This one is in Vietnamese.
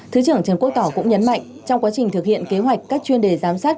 thứ trưởng trần quốc tỏ cũng nhấn mạnh trong quá trình thực hiện kế hoạch các chuyên đề giám sát